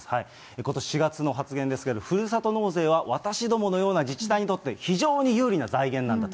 ことし４月の発言です、ふるさと納税は私どものような自治体にとって非常に有利な財源なんだと。